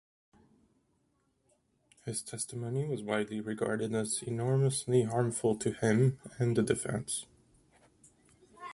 His testimony was widely regarded as enormously harmful to him and the defense.